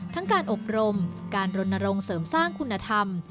การอบรมการรณรงค์เสริมสร้างคุณธรรม